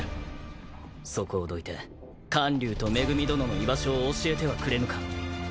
そこをどいて観柳と恵殿の居場所を教えてはくれぬか。